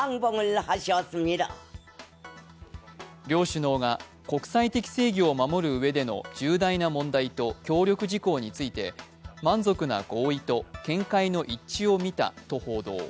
両首脳が国際的正義を守るうえでの、重大な問題と協力事項について満足な合意と見解の一致を見たと報道。